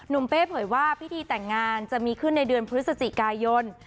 เป้เผยว่าพิธีแต่งงานจะมีขึ้นในเดือนพฤศจิกายน